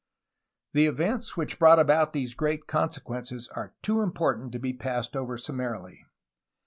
The events which brought about these great consequences are too important to be passed over summarily.